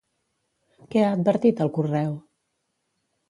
Què ha advertit al correu?